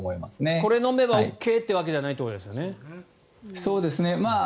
これを飲めばＯＫということではないということですよね。